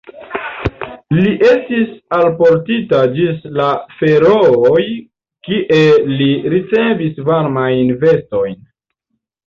Li estis alportita ĝis la Ferooj kie li ricevis varmajn vestojn.